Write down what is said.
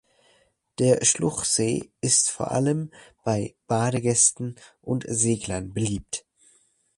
Der Schluchsee ist vor allem bei Badegästen und Seglern beliebt.